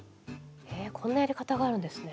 へえこんなやり方があるんですね。